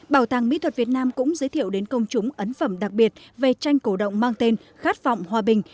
bảo tàng mỹ thuật việt nam cũng giới thiệu đến công chúng ấn phẩm đặc biệt về tranh cổ động mang tên khát vọng hòa bình